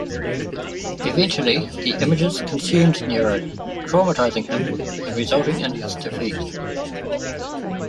Eventually, the images consumed Nero, traumatising him and resulting in his defeat.